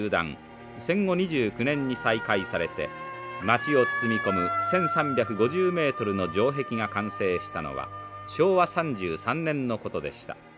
戦後２９年に再開されて町を包み込む１，３５０メートルの城壁が完成したのは昭和３３年のことでした。